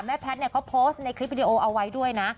แพทย์เนี่ยเขาโพสต์ในคลิปวิดีโอเอาไว้ด้วยนะ